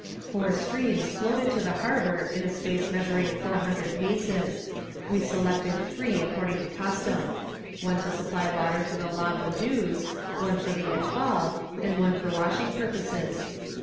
"Four streams flowed into the harbour in a space measuring four hundred paces. We selected three, according to custom; one to supply water for La Boudeuse, one for the Etoile, and one for washing purposes.